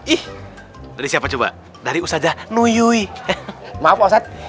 indonesia keju pains aja nuyui ottogi